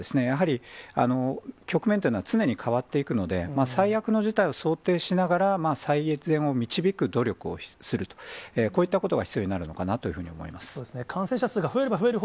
やはり局面というのは常に変わっていくので、最悪の事態を想定しながら、最善を導く努力をすると、こういったことが必要になるのかなというふうに思います。